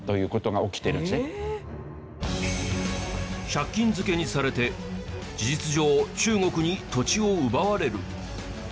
借金漬けにされて事実上中国に土地を奪われる。